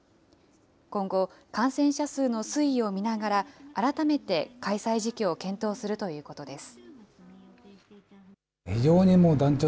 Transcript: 今後、感染者数の推移を見ながら、改めて開催時期を検討するということです。